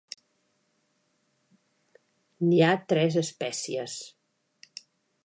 N'hi ha tres espècies.